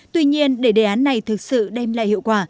tuy nhiên để đề án này thực sự đem lại hiệu quả